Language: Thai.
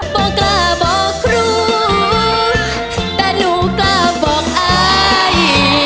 บอกกล้าบอกครูแต่หนูกล้าบอกอาย